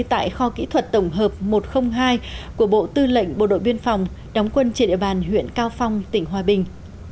tại kho kỹ thuật tổng hợp một trăm linh hai của bộ tư lệnh bộ đội biên phòng đóng quân trên địa bàn huyện cao phong tỉnh hòa bình